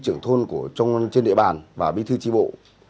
triệu tập tất cả các đồng chí trưởng thôn trên địa bàn và bí thư tri bộ